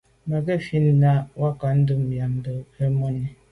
Mə́ gə̀ fít nə̀ nɛ̌n wákà ndɛ̂mbə̄ yɑ̀mə́ má gə̀ rə̌ mòní.